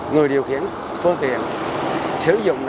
người điều khiển phương tiện sử dụng nồng độ